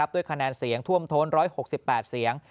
ด้วยคะแนนเสียงท่วมท้น๑๖๘เสียง